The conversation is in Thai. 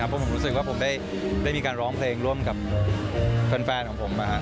เพราะผมรู้สึกว่าผมได้มีการร้องเพลงร่วมกับแฟนของผม